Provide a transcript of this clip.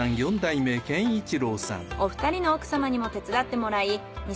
お二人の奥様にも手伝ってもらい２